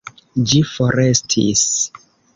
Ĝi forestis.